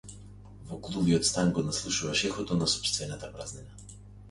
Во глувиот стан го наслушнуваш ехото на сопствената празнина.